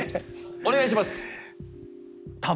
お願いします。